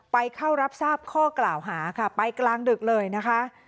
ไปเข้ารับทราบข้อกล่าวหาค่ะไปกลางดึกเลยนะคะ